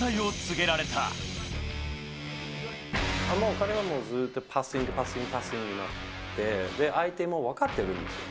彼はもうずっとパス、アンド、パス、パスやって、相手も分かってるんですよ。